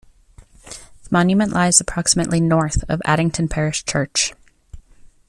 The monument lies approximately north of Addington Parish Church.